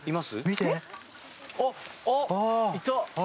あっ、いた。